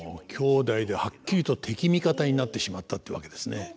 兄弟ではっきりと敵味方になってしまったってわけですね。